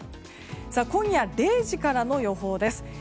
今夜０時からの予報です。